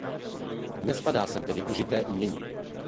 Nespadá sem tedy užité umění.